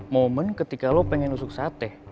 momen ketika lo pengen nusuk sate